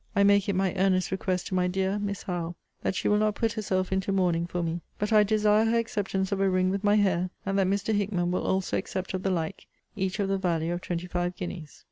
I make it my earnest request to my dear Miss Howe, that she will not put herself into mourning for me. But I desire her acceptance of a ring with my hair; and that Mr. Hickman will also accept of the like; each of the value of twenty five guineas.